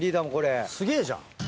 すげぇじゃん。